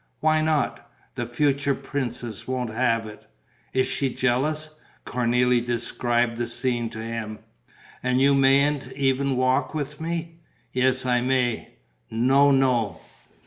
"Why not?" "The future princess won't have it." "Is she jealous?" Cornélie described the scene to him: "And you mayn't even walk with me." "Yes, I may." "No, no."